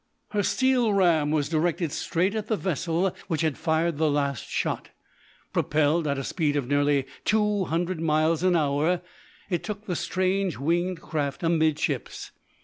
Her steel ram was directed straight at the vessel which had fired the last shot. Propelled at a speed of nearly two hundred miles an hour, it took the strange winged craft amidships.